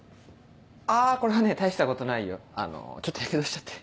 あこれはね大したことないよちょっとヤケドしちゃって。